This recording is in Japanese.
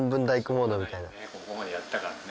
ここまでやったからね。